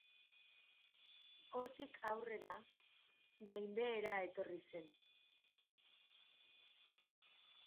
Hortik aurrera gainbehera etorri zen.